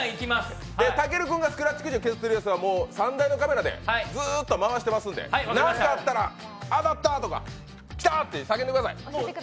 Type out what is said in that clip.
たける君がスクラッチくじを削ってるやつは３台のカメラでずっと回してますので何かあったら、当たった！とか来た！とか叫んでください。